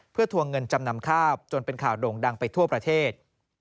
เพื่อทวงเงินจำนำข้าวจนเป็นข่าวโด่งดังไปทั่วประเทศ